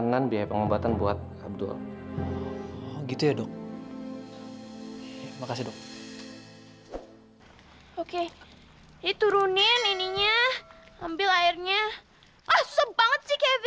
yalah gitu doang jantoh